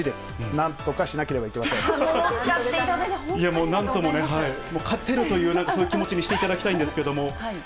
なんとかしななんともね、勝てるというそういう気持ちにしていただきたいんですけれども。